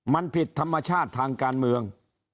มันผิดธรรมชาติทางการเมือง